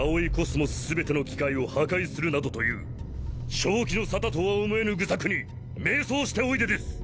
宇宙全ての機械を破壊するなどという正気の沙汰とは思えぬ愚策に迷走しておいでです！